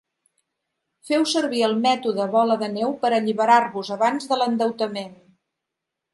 Feu servir el mètode bola de neu per alliberar-vos abans de l'endeutament.